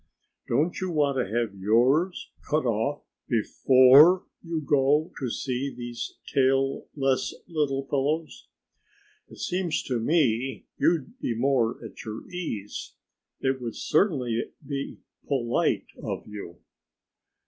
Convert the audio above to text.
Don't you want to have yours cut off before you go to see these tailless little fellows? It seems to me you'd be more at your ease. It would certainly be polite of you."